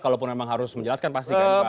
kalau memang harus menjelaskan pasti kan pak